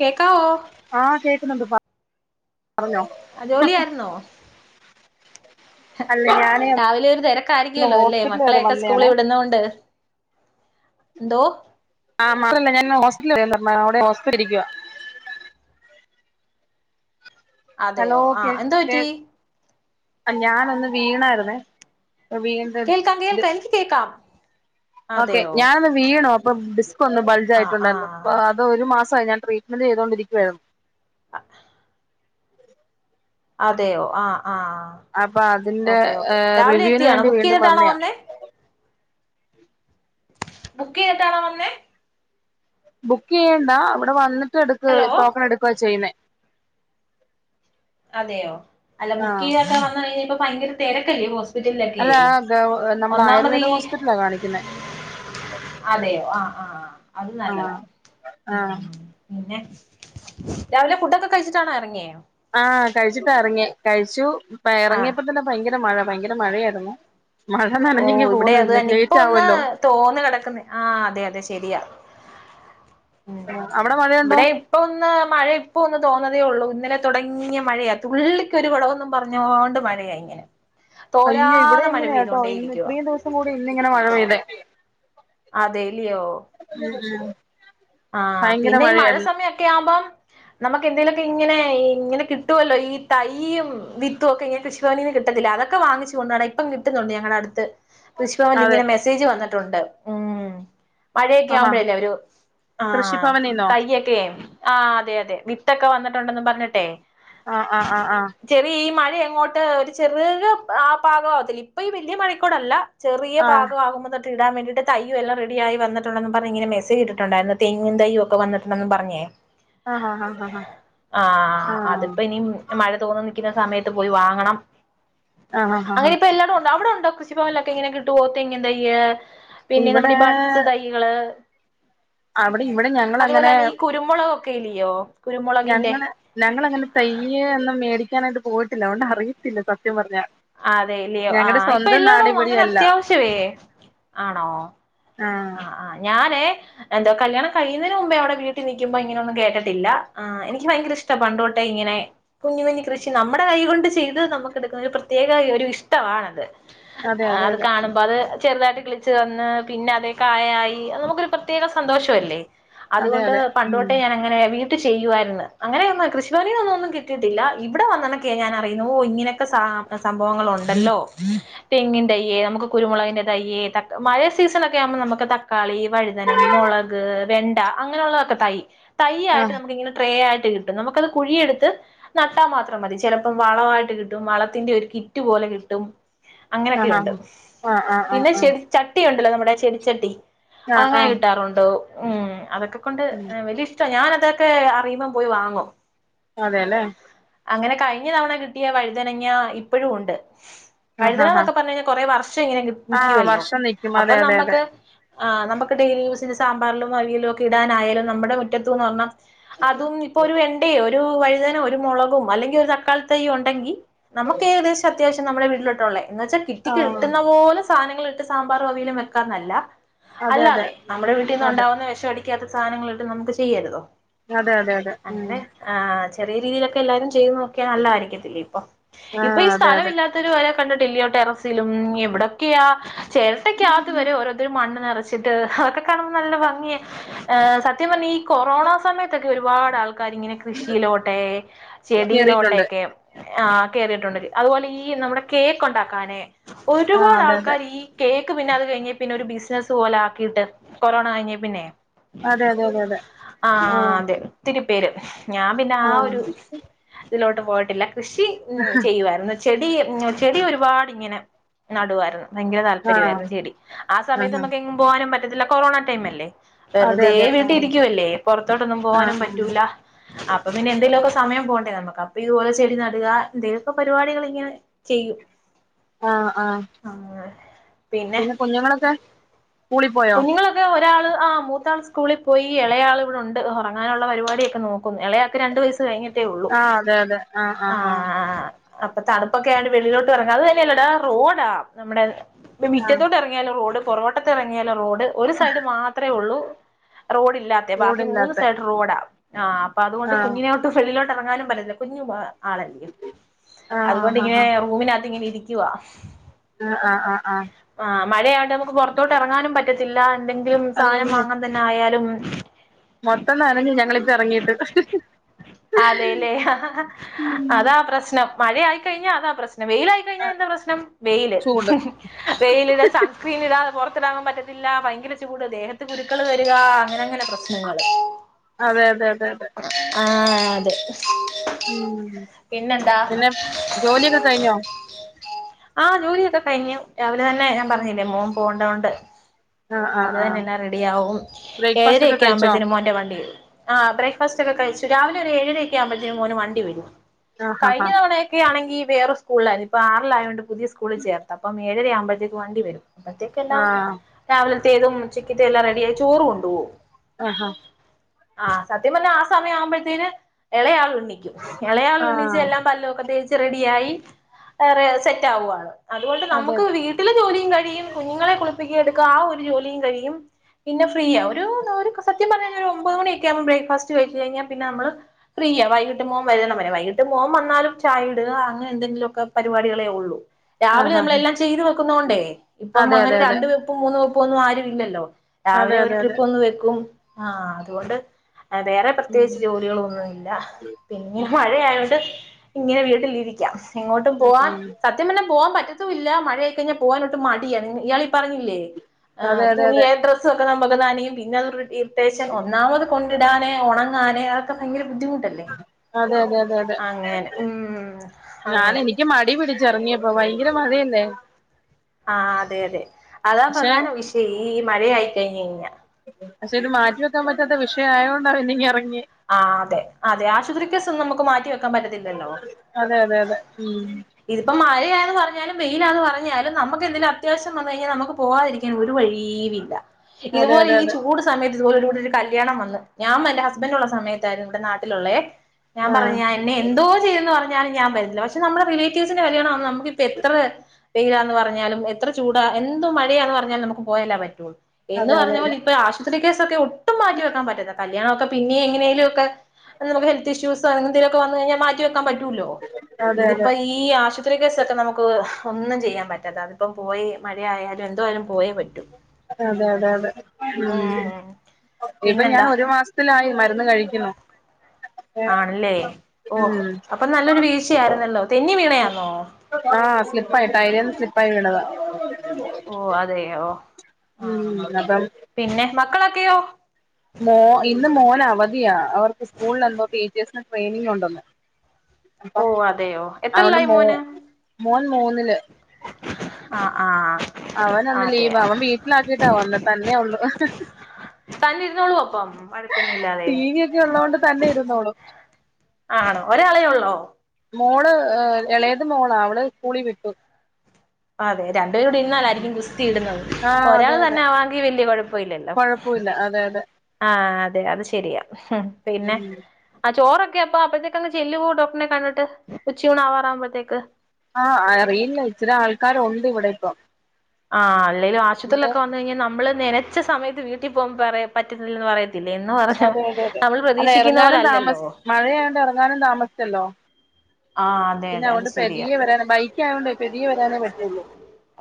കേക്കാവോ ആഹ് കേക്കുന്നുണ്ട് പ പറഞ്ഞോ ആഹ് ജോലിയാരുന്നോ അല്ല ഞാനേ ഒന്ന് രാവിലെ ഒരു തെരക്കായിരിക്കുവാല്ലോ അല്ലെ ഹോസ്പിറ്റൽ വരെ മക്കളെയൊക്കെ വന്നയാണേ സ്കൂളിൽ വിടുന്നൊണ്ട് ന്തോ [inaudible] ഹോസ്പിറ്റലിൽ ഇരിക്കുക ഹലോ അതെയോ ആ കേ എന്തോ കേൾ പറ്റി ഞാനൊന്ന് വീണാരുന്നേ വീണ് കേൾക്കാാം കേൾക്കാ എനിക്ക് കേക്കാം ഓക്കെ അതെയോ ഞാനൊന്ന് വീണോ അപ്പൊ ഡിസ്കൊന്ന് ബൾജ് ആ ആ ആയിട്ടുണ്ടായിരുന്നു ആഹ് അത് ഒരു മാസായി ഞാൻ ട്രീറ്റ്മെന്റ് ചെയ്തു കൊണ്ടരിക്കുവായിരുന്നു. അതെയോ ആ ആ അപ്പൊ അതിന്റെ ഓക്കേ ഓക്കെ രാവിലെ റിവ്യൂവിന് എത്തിയാണോ വേണ്ടി ബുക്ക് വീണ്ടും ചെയ്തട്ടാണോ വന്നയാ വന്നേ. ബുക്ക് ചെയ്തിട്ടാണോ വന്നെ. ബുക്ക് ചെയ്യേണ്ടാ അവിടെ വന്നിട്ട് എടുക്ക ഹലോ ടോക്കൺ എടുക്കുക ചെയ്യുന്നേ. അതെയോ അല്ല ബുക്ക് ആഹ് ചെയ്യാതെ വന്നഴിഞ്ഞ ഇപ്പ ഭയങ്കര തിരക്കല്ലേയോ ഹോസ് സ്പിറ്റലിലൊക്കെ ഒന്നാമത് ഈ കാണിക്കുന്നെ അതെയോ ആഹ് ആഹ് അത് നല്ലതാ ആഹ് ആഹ് പിന്നെ രാവിലെ ഫുഡൊക്കെ കഴിച്ചിട്ടാണോ ഇറങ്ങിയേ. ആഹ് കഴിച്ചിട്ടാ എറങ്ങിയേ കഴിച്ചു ആഹ് ഇറങ്ങിയപ്പോ തന്നെ ഭയങ്കര മഴ ഭയങ്കര മഴയാരുന്നു. മഴ ഓ നനഞ്ഞെങ്കി ഇവിടെ പോന്ന് അത് ഇന്ന് തന്നെ ഇപ്പൊ ലേറ്റ് ഒന്ന് ആവല്ലോ. തോന്ന് കിടക്കുന്നെ ആഹ് അതെ അതെ ശരിയാ ഉം അവിടെ മഴയുണ്ടോ ഇവിടെം ഇപ്പ ഒന്ന് മഴ ഇപ്പോ ഒന്ന് തോർന്നതേ ഉള്ളൂ ഇന്നലെ തുടങ്ങിയ മഴയാണ് തുള്ളിക്കൊരു കുടമെന്നും പറഞ്ഞോണ്ട് മഴയായി. തോരാതെ മഴ പെയ്തോണ്ടേ ഇരി ഇത്രം ദിവസം കൂടി ഇന്നിങ്ങനെ മഴ പെയ്തേ അതേല്ലിയോ. ആഹ് ആഹ് ആഹ് പിന്നെ ഈ മഴ സമയൊക്കെ ആവുമ്പം നമുക്ക് എന്തേലുമൊക്കെ ഇങ്ങനെ ഇങ്ങനെ കിട്ടുമല്ലോ ഈ തൈയും വിത്തും ഒക്കെ ഇങ്ങനെ കൃഷി. നി കട്ടത്തില്ല അതൊക്കെ വാങ്ങിച്ചു കൊണ്ടാണ് ഇപ്പം കിട്ടുന്നുണ്ട് ഞങ്ങളുടെ അടുത്ത്. കൃഷഭവനില് അതെ ഇങ്ങനെ മെസ്സേജ് വന്നിട്ടുണ്ട് ഉം മഴയൊക്കെ ആഹാ ആവുമ്പോഴല്ലേ ഒരു ആ കൃഷിഭവനിന്നോ തയ്യൊക്കെ ആ അതെ അതെ വിത്തൊക്കെ വന്നിട്ടുണ്ടന്ന് പറഞ്ഞിട്ടെ. ആഹ് ആ ആഹ് ആഹ് ചെറിയ ഈ മഴ എങ്ങോട്ട് ഒരു ചെറിയ ആ പാകം ആവത്തില്ല ഇപ്പൊ ഈ വലിയ. ചെറിയ ആഹ് ഭാഗാവുമ്പോതൊട്ട് ഇടാൻ വേണ്ടിട്ട് തയ്യുവെല്ലാം റെഡിയായി വന്നിട്ടുണ്ടെന്ന് പറഞ്ഞ് ഇങ്ങനെ മെസേജ് ഇട്ടിട്ടുണ്ടായിരുന്നു. തെങ്ങും തയ്യും ഒക്കെ വന്നിട്ടുണ്ടന്ന് പറഞ്ഞേ. ആഹ് ആഹ് ആഹ് ആഹ് ആഹ് ആഹ് അതിപ്പ ഇനിം മഴ തോന്ന് നിൽക്കുന്ന സമയത്ത് പോയി വാങ്ങണം ആഹ് ആഹ് ആഹ് അങ്ങനെ ഇപ്പൊ എല്ലായിടും ഉണ്ട് അവിടെ ഉണ്ടോ. ലൊക്കെ ഇങ്ങനെ കിട്ടോ തെങ്ങിൻ തയ്യ് പിന്നെ ഇവിടെ നമ്മുടെ ഈ ബഡ്സ് തൈയ്കള്. ആ അവിടെ ഇവിടെ ഞ അതുപോലെ തന്നെ ഈ കുരുമുളകൊക്കെ ഇല്ലിയോ. ഞങ്ങള് ഞങ്ങള അങ്ങനെ തയ്യ് ഒന്നും മേടിക്കാനായിട്ട് പോയിട്ടില്ല അതൊണ്ട് അറിയത്തില്ല സത്യം പറഞ്ഞ അതെ ലേ ആ ഇപ്പൊ എല്ലോടും അങ്ങനെ ഇവിടെയല്ല അത്യാവശ്യമേ ആണോ. ആഹ് ആഹ് ആഹ് ഞാന് എന്തോ കല്യാണം കഴിയുന്നതിന് മുമ്പെ ഇവിടെ വീട്ടിൽ നിക്കുമ്പോ ഇങ്ങനൊന്നും കേട്ടിട്ടില്ല എനിക്ക് ഭയങ്കര ഇഷ് ഇഷ്ടാ പണ്ടോട്ടെ ഇങ്ങനെ. കുഞ്ഞി കുഞ്ഞി കൃഷി നമ്മുടെ കൈ കൊണ്ട് ചെയ്ത് നമുക്ക് എടുക്കുന്ന ഒരു പ്രത്യേക ഒരു ഇഷ്ടമാണത്. അതെ അതെ അത് അതെ കാണുമ്പോ അത് ചെറുതായിട്ട് കിളിച്ച് വന്ന് പിന്നെ അതെ. കായായി നമുക്കൊരു പ്രത്യേക സന്തോഷം അല്ലേ അതെ അതുകൊണ്ട് അതെ ഉം പണ്ട്തൊട്ടെ ഞാൻ അങ്ങനെ. ചെയ്യുവായിരുന്നു അങ്ങനെ കൃഷി ഭവനിന്നൊന്നും കിട്ടിട്ടില്ല ഇവിടെ വന്നഴക്കെയാ ഞൻ അറിയുന്നേ ഓഹ് ഇങ്ങനെയൊക്കെ സാ സംഭവങ്ങളുണ്ടല്ലോ തെങ്ങിന്റെ തയ്യ് നമുക്ക് കുരുമുളകിന്റെ തയ്യ് മഴ സീസൺ ഒക് ക്കെ ആകുമ്പോ നമുക്ക് തക്കാളി വഴുതനം മുളക് വെണ്ട അങ്ങനെ ഉള്ളതൊക്കെ തൈ തൈയായിട്ട് ആഹ് നമുക്ക് ഇങ്ങനെ ട്രേ ആയിട്ട് കിട്ടും നമുക്കത് കുഴിയെടുത്ത്. നട്ടാ മാത്രം മതി ചിലപ്പോം വളമായിട്ട് കിട്ടും വളത്തിന്റെ ഒരു കിറ്റ് പോലെ കിട്ടും. ആഹ് അങ്ങനൊക്കെയുണ്ട് ആഹ് ആഹ് ആഹ് പിന്നെ ആഹ് ശരി. ചട്ടിയുണ്ടല്ലോ നമ്മുടെ ചെടിച്ചട്ടി ആഹ് ആഹ് അങ്ങനെ ആഹ് കിട്ടാറുണ്ട് അതൊക്കെ. കൊണ്ട് ഉം വലിയ ഇഷ്ടായി ഞാനതൊക്കെ അറിയുമ്പം പോയി വാങ്ങും. അതെല്ലേ. അങ്ങനെ കഴിഞ്ഞ തവണ കിട്ടിയ വഴുതനങ്ങ ഇപ്പോഴും ഉണ്ട്. ആഹ് പഴുതന ആഹ് ആഹ് എന്നൊക്കെ പറഞ്ഞ കൊറെ വർഷം ഇങ്ങനെ ആഹ് നിൽക്കുവല്ലോ വർഷം നിക്കും അപ്പൊ അതെ അതെ നമ്മക്ക് അതെ ആ് നമുക്ക് ഡെയിലി യൂസിന്റെ സാമ്പാറിലും വലയിലും ഒക്കെ ഇടാനായാലും നമ്മുടെ മുറ്റത്ത്ന്ന് ഒരെണ്ണം അതും ഇപ്പൊ ഒരു വേണ്ടയോ ഒരു വഴുതനോ ഒരു മുളകും അല്ലെങ്കിൽ ഒരു തക്കാളിതയ്യും ഉണ്ടെങ്കിൽ നമുക്ക് ഏകദേശം അത്യാവശ്യം നമ്മുടെ വീട്ടിലോട്ടുള്ള എന്ന് വെച്ചൽ കിറ്റി ആഹ് കിട്ടുന്ന പോല സാധനങ്ങൾ സാമ്പാറും അവിയലും വെക്കാന്നല്ല അതെ അതെ അല്ലാതെ നമ്മുടെ വീട്ടിൽ അതെ നിന്നുണ്ടാവുന്ന വിശടി ക്കാത്ത സാധനങ്ങളായിട്ട നമക്ക് ചെയ്യരുതോ അതെ അതെ അതെ ഉ അങ്ങനെ ആ ചെറിയ രീതിയിലൊക്കെ എല്ലാരും ചെയ്തു നോക്കിയാ നല്ല ആയിരിക്കത്തില്ലേ ഇപ്പൊ ഇപ്പൊ ആഹ് ഈ അതെ സ്ഥലം അതെ ഇല്ലാത്ത കണ്ടിട്ടില്ലേ ടെറസിലും എവിടൊക്കെയാ ചെരട്ടക്കകത് ക്ക് വരെ ഓരോരുതരു മണ്ണ് നിറച്ചിട്ട് അതൊക്കെ കാണുമ്പോൾ നല്ല ഭംഗിയ ഹ് സത്യം പറഞ്ഞ ഈ കൊറോണ സമയത്തൊക്കെ ഒരുപാട് ആൾക്കാർ ഇങ്ങനെ കൃഷിയിലോട്ടെ കേറിയിട്ടുണ്ട് ചെടിയിലോട്ടെക്കെ ആ കേറിയിട്ടുണ്ട് അതുപോലെ ഈ നമ്മുടെ കേക്ക് ഉണ്ടാക്കാനെ ആഹ് ഒരുപാട് അതെ അതെ ആൾക്കാർ ഈ കേക്ക് പിന്നെ അത് കഴിഞ്ഞ പിന്നെ ഒരു ബിസിനസ്സ് പോലെ ആക്കിയിട്ട് കൊറോണ കഴിഞ്ഞ പിന്നെ അതെ അതെ അതെ അതെ ആഹ് അതെ ഒത്തിരി പേര് ഞാൻ പിന്നെ ആ ഒരു ആഹ് ഇതിലോട്ട് പോയിട്ടില്ല കൃഷി ചെയ്യുവാ യിരുന്നു ചെടി ചെടി ഒരുപാട് ഇങ്ങനെ നടുവായിരുന്നു ഭയങ്കര ആഹ് താല്പര്യമായിരുന്നു ചെടി ആ സമയത്ത് ആഹ് നമുക്ക എങ്ങും പോകാനും പറ്റത്തില്ല കൊറോണ ടൈം അല്ലേ അതെ വെറുതെ അതെ ആഹ് വീട്ടിലിരിക്കുവല്ലേ പുറത്തോട്ടൊന്നും പോവാനും ആഹ് പറ്റൂല അപ്പൊ പിന്നെ എന്തേലുമൊക്കെ സമയം പോണ്ടേ നമുക്ക് അപ്പൊ ഇതുപോലെ ചെടി നടുക എന്തങ്കിലും പരിപാടികൾ ഇങ്ങനെ ചെയ്യൂ ആഹ് ആഹ് ആഹ് പിന്നെ കുഞ്ഞുങ്ങളൊക്കെ? സ്കൂളി പോയോ കുഞ്ഞുങ്ങളൊക്കെ ഒരാൾ ആ മൂത്താൾ സ്കൂളിൽ പോയി ഇളയാൾ ഇവിടെ ഉണ്ട് ഉറങ്ങാനുള്ള പരിപാടിയൊക്കെ നോക്കുന്നു ഇളയാൾക്ക് രണ്ട് വയസ് കഴിഞ്ഞിട്ട് ട്ടേ ഉള്ളൂ ആഹ് അതെ അതെ ആഹ് ആഹ് ആ ആഹ് അപ്പൊ തണുപ്പൊക്കെ ആയൊണ്ട് വെളിലോട്ട് ഇറങ്ങ അത് തന്നെയല്ലോടാ റോഡാ നമ്മുടെ ആഹ് മിറ്റത്തോട്ട് ഇറങ്ങി റോഡ് പൊറകു വട്ടത്തിറങ്ങിയാലും റോഡ് ഒരു സൈഡ് മാത്രമേ ഉള്ളൂ റോഡില്ലാത്ത മേ ബാക്കി മൂന്ന് ചൂടില്ലാത്തെ സൈഡ് റോഡാ ആഹ് അപ്പ അതൊണ്ട് ആഹ് കുഞ്ഞിനോട്ട് വെളിലോട്ട്റങ്ങാനും പറ്റ്ന്നില്ല കുഞ്ഞു ആണല്ലേ ആഹ് ആഹ് ആഹ് അതുകൊണ്ട്ങ്ങനെ റൂമിനകത്ത് ഇങ്ങനെ ഇരിക്കുവാ ആ ആ ആഹ് ആഹ് ആഹ് മഴയായോണ്ടേ നമുക്ക് പുറത്തോട്ട് ഇറങ്ങാനും പറ്റത്തില്ല എന്തെങ്കിലും സാധനം ആഹ് വാങ്ങാൻ തന്നെ ആയാലും മൊത്തം നനഞ്ഞു ഞങ്ങളിപ്പ എറങ്ങീട്ട് അതേലെ അതാ പ്രശ്നം മഴ ആയിക്കഴിഞ്ഞാൽ അതാ പ്രശ്നം വെയിലായി ആയിക്കഴിഞ്ഞ എന്താ പ്രശ്നം? വെയില് ചൂട് ഹ് വെയിലിനെ താ സ്ക്രീനീടാതെ പുറത്തിറങ്ങാൻ പറ്റത്തില്ല ഭയങ്കര ചൂട് ദേഹത്ത് കുരുക്കൾ വരിക അങ്ങനെ അങ്ങനെ പ്രശ്നം പ്രശ്നങ്ങള് അതെ അതെ അതെ അതെ ആഹ് അതെ ഉം പിന്നെന്താ? പിന്നെ ജോലിയൊക്കെ കഴിഞ്ഞോ ആഹ് ജോലിയൊക്കെ കഴിഞ്ഞു രാവിലെ തന്നെ ഞാൻ പറഞ്ഞില്ലേ മോൻ പോകണ്ടോണ്ട് ആഹ് ആഹ് രാവിലെ തന്നെ ആഹ് എല്ലാം റെഡിയാവും ബ്രേക്ക്ഫാസ്റ്റ് ഒക്കെ ഏഴരയൊക്കെ കഴിച്ചോ ആവുമ്പഴത്തിന് മോന്റെ വണ്ടി വരും ആഹ് ബ്രേക്ഫാസ്റ് ഒക്കെ കഴിച്ചു രാവിലെ ഒരു ഏഴര ഒക്കെ ആവുമ്പഴത്തേും മോന് വണ്ടി വരും ആഹ് കഴിഞ്ഞ ആഹ് തവണ ഒക്കെ ആണെങ്കി വേറെ സ്കൂളി ലായിരുന്നു ഇപ്പ ആറിലായത് കൊണ്ട് പുതിയ സ്കൂളിൽ ചേർത്ത് അപ്പം ഏഴര ആവുമ്പോഴത്തിന് വണ്ടി വരും അപ്പത്തേക്കല്ലാം ആഹ് രാവിലത്തേതും ഉച്ചക്കത്തേയെല്ലാം എല്ലാം റെഡി ആയി ചോറ് കൊണ്ടുപോവും ആഹാ ആ സത്യം പറഞ്ഞ ആ സമയം ആവുമ്പോഴത്തേന് എളെയാളും ണീ എളെയാള് എണീച്ച് ആഹ് എല്ലാം പല്ലൊക്കെ തേച്ച് റെഡിയായി സെറ്റാവാണ് അതുകൊണ്ട് അതെ നമ്മക്ക് അതെ വീട്ടിലെ ജോലിയും കഴിയും കുഞ്ഞുങ്ങളെ കുളിപ്പിക്ക എട്ക്ക ആ ഒരു ജോലിയും കഴിയും പിന്നെ ഫ്രീയ ഒരു [unintelligible] സത്യ പറഞാല് ഒരു ഒമ്പത് മണിയൊക്കാവുമ്പോ ബ്രേക് ഫാസ്റ്റ് കഴിച്ച് കഴിഞ്ഞാ പിന്നെ നമ്മള് ഫ്രീയ വൈകിട്ട് മോം വരുന്നണ വരെ വൈകിട്ട് മോൻ വന്നാലും ചായ ഇടുക അങ്ങനെ എന്തെങ്കിലൊക്കെ പരിപാടികളെ ഒള്ളു രാവിലെ ആഹ് ആഹ് നമ്മളെല്ലാം ചെയ്തു വെക്കുന്നോണ്ടേ ഇപ്പം അതെ അങ്ങനെ അതെ അതെ രണ്ട് വെപ്പും മൂന്ന് വെപ്പൊന്നും ആരും ഇല്ലല്ലോ അതെ രാവിലെ അതെ ഒരു അതെ ട്രിപ്പൊന്ന് വെക്കും ആ അതുകൊണ്ട് വേറെ ഉം പ്രത്യേകിച്ച് ജോലികളൊന്നുല്ല പിന്നെ മഴയായോണ്ട് ഇങ്ങനെ വീട്ടിലിരിക്കാം എങ്ങോട്ടും പോവാൻ ഉം സത്യം പർഞ്ഞ പോവാൻ പറ്റത്തൂല്ല മഴയായി കഴിഞ്ഞാ പോവാനൊട്ടും മടിയാ ഇയാളി പറഞ്ഞില്ലേ ആ അതെ അതെ അതെ തുണിയെ ഡ്രസ്സൊക്കെ നമ്മക്ക് നനയും പിന്നെ ഇറിറ്റേഷൻ ഒന്നാമത് കൊണ്ടിടാന് ഒണങ്ങാന് അതൊക്കെ ഭയങ്കര ബുദ്ധിമു ട്ടല്ലേ അതെ അതെ അതെ അതെ അങ്ങനെ ഉം അങ്ങനെ ക്ക് മടി പിടിച്ചെറങ്ങ്യപ്പൊ ഭയങ്കര മഴയല്ലേ ആ അതെ അതെ അതാ പക്ഷെ പ്രധാന വിഷയേ ഈ മഴയായി കയ്ഞ്ഞയ്ഞ്ഞ പഷെ ഇത് മാറ്റി വെക്കാൻ പറ്റാത്ത വിഷയായോണ്ടാ പിന്നെങ്ങെറങ്യേ ആ അതെ അതെ ആശുപത്രി കേസൊന്നും നമുക്ക് മാറ്റി വെക്കാൻ പറ്റത്തില്ലല്ലോ അതെ അതെ അതെ ഉം ഇതിപ്പം മഴയാന്ന് പറഞ്ഞാലും വെയിലാന്ന് പറഞ്ഞാലും നമ്മക്കെന്തേലും അത്യാവശ്യം വന്ന് കഴിഞ്ഞാ നമ്മക്ക് പോവാതിരിക്കാൻ ഒരു വഴീവില്ല ഇതേ അതെ പോലെ അതെ ഈ അതെ ചൂട് സമയത്ത് ഇതുപോലൊരുട്ട് കല്യാണം വന്ന് ഞാൻ മെല്ലസ് ബന്റുള്ള സമയത്തായിര്ന്നു ഇവടെ നാട്ടിലുള്ളേ ഞാൻ പറഞ്ഞു ആഹ് ഞാ എന്നെ എന്തോ [unintelligible] പറഞാലും ഞാൻ വെരില്ല പക്ഷേ നമ്മളെ റിലേറ്റീവ്സിന്റെ കല്യാണാവുമ്പോ നമക്കിപ്പെത്രെ വെയിലാന്ന് പറഞ്ഞാലും എത്ര ചൂടാ എന്ത്‌ മഴയാന്ന് പറഞ്ഞാലും നമുക്ക് പോയല്ലേ പറ്റുള്ളൂ എന്ന് അതെ അതെ പറഞ്ഞ പോലെ ഇപ്പൊ ആശുപത്രി കേസൊക്കെ ഒട്ടും മാറ്റി വെക്കാപറ്റ്ല്ല കല്യാണൊക്കെ പിന്നി എങ്ങനേലൊക്കെ നമ്മക്ക് ഹെൽത്ത് ഇഷൂസോ അങ്ങനെന്തേലൊക്കെ വന്ന് കഴിഞ്ഞ മാറ്റി വെക്കാൻ പ റ്റുല്ലോ അതെ അതെ അതെ ഇത്പ്പ ഈ ഈ ആശുപത്രി കേസൊക്കെ നമുക്ക് ഒന്നും ചെയ്യാൻ പറ്റാത്ത അതിപ്പം പോയി മഴയായാലും എന്തോയാലും പോയേ പ അതെ അതെ അതെ ഉം ഇപ്പൊ ഞാൻ പിന്നെന്താ ഒരു മാസ് ത്തിലായി മരുന്ന് കഴിക്ക്ന്ന് ആണ്ല്ലേ ഓ അപ്പൊ നല്ലൊരു വീഴ്ച്ചാര്ന്നല്ലോ തെന്നി വീണയാന്നോ ആ സ്ലിപ്പായി ടൈലേന്ന് സ്ലിപ്പായി വീണത ഓ അതെയൊ ആ ഉം അപ്പം പിന്നെ മക്കളൊക്കെയോ മോ ഇന്ന് മോനവധിയാ അവർക്ക് സ്കൂള്ലെന്തോ ടീച്ചേഴ്സിന് ട്രെയിനിങ്ങുണ്ടെന്ന് ഓ അപ്പം അതെയോ അവൾ എത്രല്ലായി മൂ മോന് മോൻ മൂന്ന്ല് ആ ആ അവനിന്ന് ലീവ അതെയോ അവൻ വീട്ടിലാക്കിട്ടാ വന്ന് തന്നെ ഒള്ളു തന്നെര്ന്നോളോ അപ്പം വഴക്കൊന്നുല്ലാതെ [unintelligible] ഉള്ളോണ്ട് തന്നെ ഇര്ന്നോളും ആണോ ഒരാളെ ഒള്ളോ മോള് എളേത് മോളാ അവള് സ്കൂളി വിട്ടു അതെ രണ്ട് പേരൂടെ ഇര്ന്നാലായിരിക്കും ഗുസ്തി ഇടുന്നത് ഒരാൾ തന്നെ ആവാൻങ്കി വെല്ല്യ കൊഴപ്പല്ലല്ലോ കൊഴപ്പുല്ല അതെ അതെ ആ അതെ അത് ശെരിയാ പിന്നെ ഉം അ ചോറൊക്കെ അപ്പ അപ്പഴത്തേക്കങ് ചെല്ലോ ഡോക്ടറിനെ കണ്ടിട്ട് ഉച്ചൂണ് ആവാറാവുമ്പോഴത്തേക്ക് ആ അറിയില്ല ഇച്ചിരി ആൾക്കാരൊണ്ട് ഇവിടെപ്പം ആ അല്ലേലും ആശുപത്രിൽക്കെ വന്ന് കഴിഞ്ഞാ നമ്മള് നെനച്ച സമയത്ത് വീട്ടിൽ പോവുപറയ പറ്റത്തില്ലല്ലോ പറയും പിന്നെ ന്ന് പറഞ്ഞ അതെ നമ്മള് പ്രതീക്ഷിക്ക്ന്ന പോലല്ലല്ലോ മഴയായൊണ്ട് എറങ്ങാനും താമസിച്ചല്ലോ ആ അതെ പിന്നെ അതെ അത് അവന്റെ ശരിയാ പെതിയെ വെരാൻ ബൈക്ക് ആയതോണ്ട് പെതിയ വെരാനേ പറ്റുള്ളു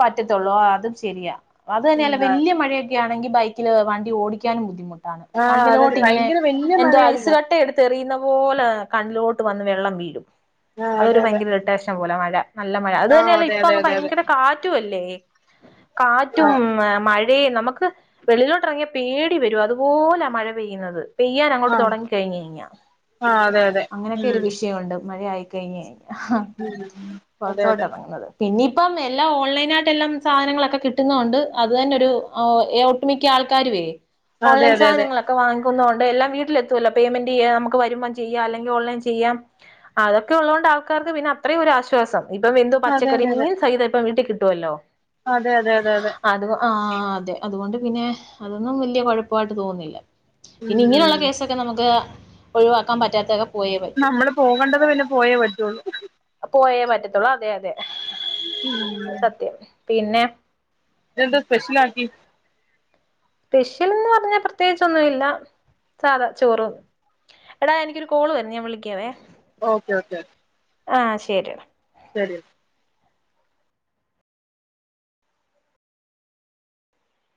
പറ്റത്തുള്ളൂ ആ അതും ശെരിയാ അത് തന്നെല്ല ഉം ആ വെല്ല്യ മഴയ ണെങ്കി ബൈക്കില് വണ്ടി ഓടിക്കാനും. ബുദ്ധിമുട്ടാണ്. ആഹ് അതെ അതെ കണ്ണിലോട്ടിങ്ങനെ ഭയങ്കര വല്യ എന്തോ മഴയായിരുന്നു ഐസ്കട്ട എട് തെറിയുന്ന പോലെ കണ്ണിലോട്ട് വന്ന് വെള്ളം വീഴും. ആ അതൊരു അതെ അതെ ഭയങ്കര ഇറിട്ടേഷൻ പോലെ മഴ നല്ല മഴ. അത് ആഹ് തന്നെയല്ലേ അതെ ഇപ്പ അതെ അങ്ങ് അതെ അതെ ഭയങ്കര കാറ്റും ല്ലേ. ആ കാറ്റും മ മഴി. തേ നമുക്ക് വെളിയിലോട്ടിറങ്ങിയ പേടി വരും. അതുപോലെ മഴ പെയ്യുന്നത്. പെയ്യാൻ അങ്ങോട്ട് ആ തുടങ്ങി കഴിഞ് കഴിഞ്ഞ ആ അതെ അതെ അങ്ങനെയൊക്കെ ഉം ഒരു വിഷയണ്ട് മഴ ആയി കഴിഞ് കഴിഞ്ഞ ആഹ് ഉം അതെ പുറത്തോട് അതെ ഇറങ്ങുന്നത് പിന്നെയിപ്പം എല്ലാം ഓൺലൈനായിട്ട് എല്ലാം സാധനങ്ങളൊക്കെ കിട്ടുന്നുണ്ട് അത് തന്നെ ഒരു ആഹ് ഉം മിക്ക ആൾക്കാരുവേ അതെ അതെ ഓൺലൈൻ അതെ സാധനങ്ങളൊ വാങ്ങികൊണ്ട് എല്ലാം വീട്ടിലെത്തോ ലോ പേയ്മെന്റ് ചെയ്യ നമുക്ക് വരുമ്പം ചെയ്യാം അല്ലെൽ ഓൺലൈൻ ചെയ്യാം അത ഒക്കെ ഉള്ളതൊണ്ട് ആൾക്കാക്ക് പിന്നെ അത്രയും ഒരു ആശ്വാസം ഇപ്പം എന്തു അതെ അതെ പച്ചക്കറി അതെ മീൻ സൈതം ഇപ്പം വീട്ടിൽ കിട്ടുവലോ അതെ അതെ അതെ അതെ അത് ആഹ് അതെ അതു കൊണ്ട് പിന്നെ അതൊന്നും വല്ല്യ കുഴപ്പായിട്ട് തോന്നുന്നില്ല. ഉം പിന്നെ ഇങ്ങനെയുള്ള ഉം കേസൊക്കെ നമുക്ക് ഒഴിവാക്കാൻ പറ്റാത്തതൊക്കെ നമ്മള് പോവണ്ടത് പിന്നെ പോയേ പറ്റുള്ളൂ പോയേ പറ്റത്തുള്ളൂ അതെ അതെ ഉം സത്യം പിന്നെ എന്താ സ്പെഷ്യൽ ആക്കി പെഷ്യൽ എന്ന് പറഞ്ഞ പ്രത്യേകിച്ചൊന്നും ഇല്ല സാധാ ചോറും എടാ എനിക്കൊരു കോള് വരുന്നെ ഞാൻ വിളിക്കാവേ ഓക്കെ ഓക്കെ ആഹ് ശരി ഡാ ശരി